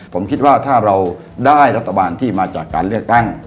ผมคิดว่าถ้าเราได้รัฐบาลที่มาจากการเลือกตั้ง